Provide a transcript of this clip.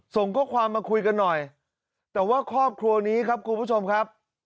ส่งข้อความมาคุยกันหน่อยแต่ว่าครอบครัวนี้ครับคุณผู้ชมครับ